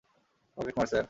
পকেটমার, sir.